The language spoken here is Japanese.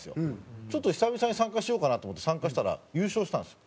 ちょっと久々に参加しようかなと思って参加したら優勝したんですよ。